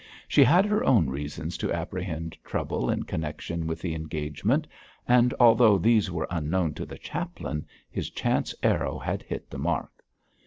She had her own reasons to apprehend trouble in connection with the engagement, and although these were unknown to the chaplain, his chance arrow had hit the mark.